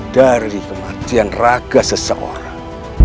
dari kematian raga seseorang